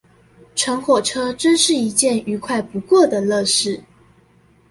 乘火車真是一件愉快不過的樂事！